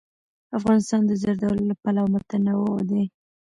افغانستان د زردالو له پلوه متنوع دی.